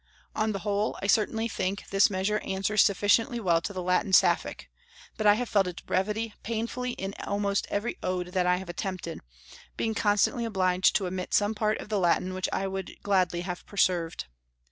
On the whole, I certainly think this measure answers sufficiently well to the Latin Sapphic; but I have felt its brevity painfully in almost every Ode that I have attempted, being constantly obliged to omit some part of the Latin which I would gladly have preserved.